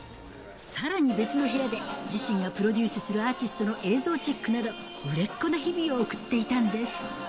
さらに別の部屋で、自身がプロデュースするアーティストの映像チェックなど、売れっ子な日々を送っていたんです。